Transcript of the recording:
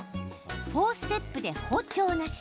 ４ステップで包丁なし。